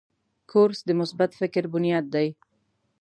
کورس د مثبت فکر بنیاد دی.